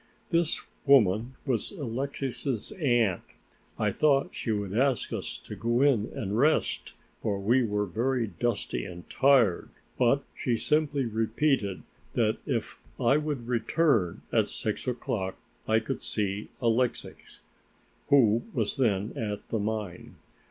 This woman was Alexix's aunt. I thought she would ask us to go in and rest, for we were very dusty and tired, but she simply repeated that if I would return at six o'clock I could see Alexix, who was then at the mine.